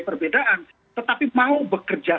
perbedaan tetapi mau bekerja